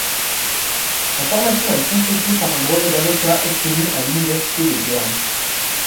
Sa formation est complétée par un brevet d'avocat obtenu à l'université de Berne.